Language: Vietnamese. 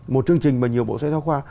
một chương trình mà nhiều bộ sách giáo khoa